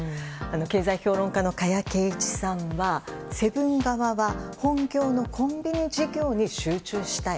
経済評論家の加谷珪一さんはセブン側は本業のコンビニ事業に集中したい。